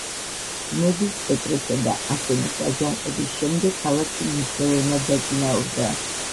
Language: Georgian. ძმების პეტრესა და ასენის აჯანყების შემდეგ ქალაქი მნიშვნელოვნად დაწინაურდა.